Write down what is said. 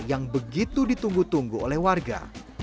yang begitu ditunggu tunggu oleh warga